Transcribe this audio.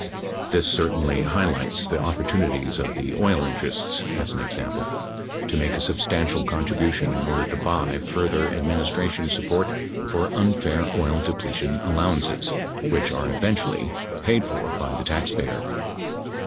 This certainly highlights the opportunities of the oil interests, as an example, to make a substantial contribution in order to buy further administra tion support for unfair oil depletion allowances, which are eventually paid for by the taxpayer.